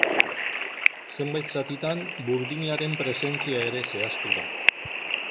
Zenbait zatitan burdinaren presentzia ere zehaztu da.